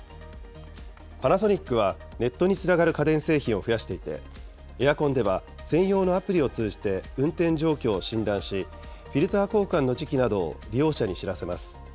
パナソニックはネットにつながる家電製品を増やしていて、エアコンでは専用のアプリを通じて運転状況を診断し、フィルター交換の時期などを利用者に知らせます。